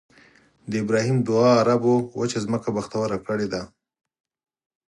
د ابراهیم دعا عربو وچه ځمکه بختوره کړې ده.